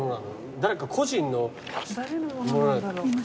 誰か個人のものなの？